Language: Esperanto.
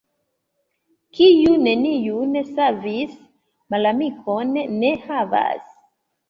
Kiu neniun savis, malamikon ne havas.